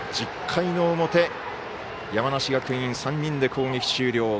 １０回の表、山梨学院３人で攻撃終了。